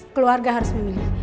keluarga harus memilih